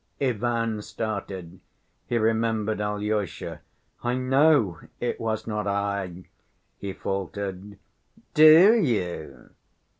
Ivan started. He remembered Alyosha. "I know it was not I," he faltered. "Do you?"